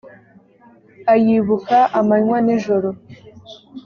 ayibuka amanywa n’ijoro